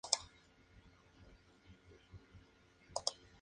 Más tarde se trasladó a Gotinga para ayudar a Carl Friedrich Gauss.